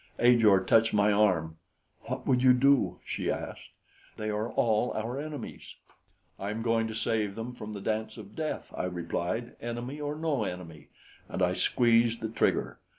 Ajor touched my arm. "What would you do?" she asked. "They are all our enemies." "I am going to save him from the dance of death," I replied, "enemy or no enemy," and I squeezed the trigger.